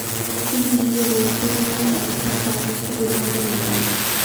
তিনি নিজে বৈদ্য হয়ে একজন কায়স্থ বিধবাকে বিয়ে করেন।